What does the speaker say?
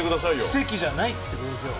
奇跡じゃないってことですよ。